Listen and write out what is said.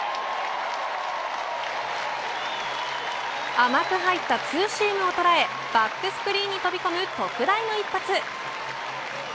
甘く入ったツーシームを捉えバックスクリーンに飛び込む特大の一発。